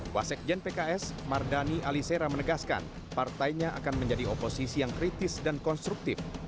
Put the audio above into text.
wasekjen pks mardani alisera menegaskan partainya akan menjadi oposisi yang kritis dan konstruktif